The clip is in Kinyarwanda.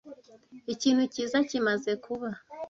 Ikintu cyiza kimaze kuba.